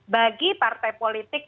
bagi partai politik